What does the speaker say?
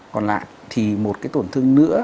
còn lại thì một cái tổn thương nữa